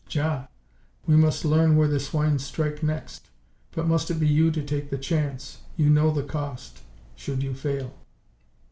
"Ja, we must learn where the swine strike next. But must it be you to take the chance? You know the cost should you fail?"